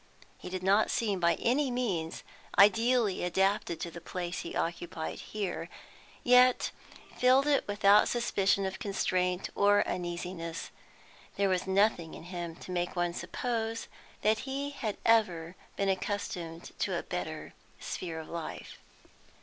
He did not seem by any means ideally adapted to the place he occupied here, yet filled it without suspicion of constraint or uneasiness: there was nothing in him to make one suppose that he had ever been accustomed to a better sphere of life.